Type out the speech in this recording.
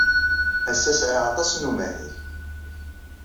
Ass-a sɛiɣ aṭas n umahil.